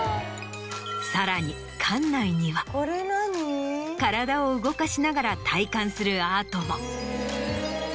さらに館内には体を動かしながら体感するアートも。